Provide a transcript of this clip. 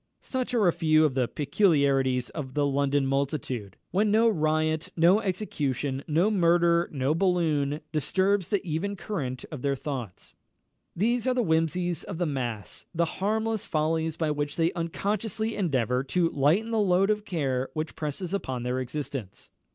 Such are a few of the peculiarities of the London multitude, when no riot, no execution, no murder, no balloon, disturbs the even current of their thoughts. These are the whimsies of the mass the harmless follies by which they unconsciously endeavour to lighten the load of care which presses upon their existence.